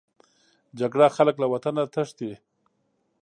جګړه خلک له وطنه تښتي